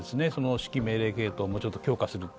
指揮命令系統をもうちょっと強化する。